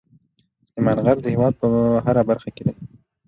سلیمان غر د هېواد په هره برخه کې دی.